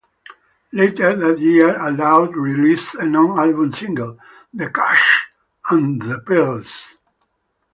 Later that year, Aloud released a non-album single, "The Cash and the Pearls".